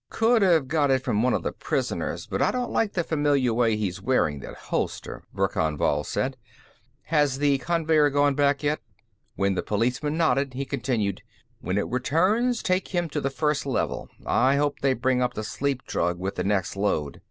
"Could have got it from one of the prisoners, but I don't like the familiar way he's wearing that holster," Verkan Vall said. "Has the conveyer gone back, yet?" When the policeman nodded, he continued: "When it returns, take him to the First Level. I hope they bring up the sleep drug with the next load.